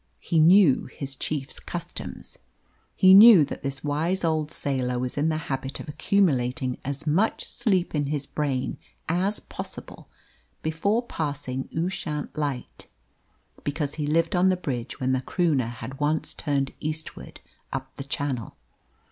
He knew his chief's customs. He knew that this wise old sailor was in the habit of accumulating as much sleep in his brain as possible before passing Ushant light, because he lived on the bridge when the Croonah had once turned eastward up the Channel.